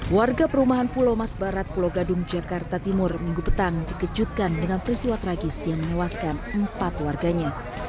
warga perumahan pulau mas barat pulau gadung jakarta timur minggu petang dikejutkan dengan peristiwa tragis yang menewaskan empat warganya